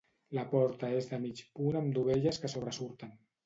La porta és de mig punt amb dovelles que sobresurten.